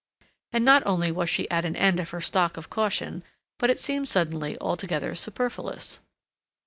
And not only was she at an end of her stock of caution, but it seemed suddenly altogether superfluous.